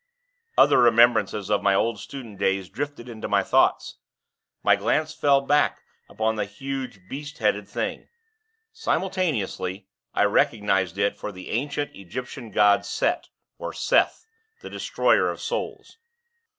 Other remembrances of my old student days drifted into my thoughts. My glance fell back upon the huge beast headed Thing. Simultaneously, I recognized it for the ancient Egyptian god Set, or Seth, the Destroyer of Souls.